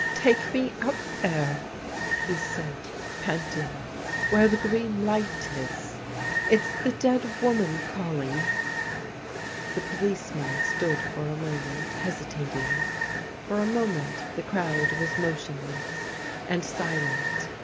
' Take me up there,' he said, panting, ' where the green light is ; it's the dead woman calling.' The policeman stood for a moment hesitating. For a moment the crowd was nnotionless and silent.